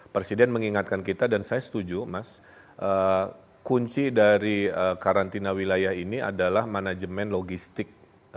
presiden mengingatkan kita dan saya setuju mas kunci dari karantina wilayah ini adalah manajemen logistik